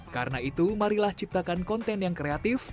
karena itu marilah ciptakan konten yang kreatif